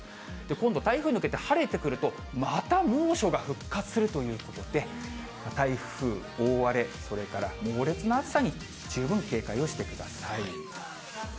今度、台風が抜けて晴れてくると、また猛暑が復活するということで、台風、大荒れ、それから猛烈な暑さに十分警戒をしてください。